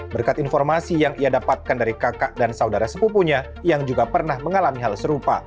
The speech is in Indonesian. berkat informasi yang ia dapatkan dari kakak dan saudara sepupunya yang juga pernah mengalami hal serupa